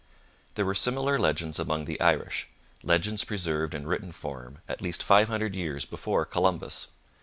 There were similar legends among the Irish, legends preserved in written form at least five hundred years before Columbus.